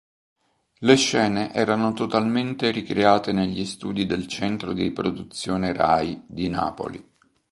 Le scene erano totalmente ricreate negli studi del Centro di Produzione Rai di Napoli.